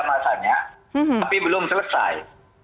masanya tapi belum selesai